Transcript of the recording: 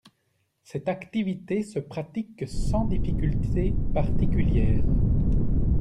Cette activité se pratique sans difficultés particulières.